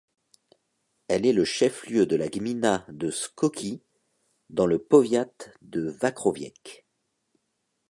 Elle est le chef-lieu de la gmina de Skoki, dans le powiat de Wągrowiec.